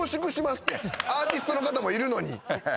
アーティストの方もいるのに。